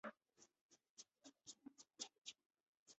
这给出了以一种几何的方式看商空间的方法。